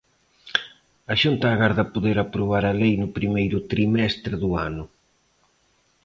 A Xunta agarda poder aprobar a lei no primeiro trimestre do ano.